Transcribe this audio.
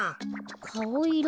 かおいろ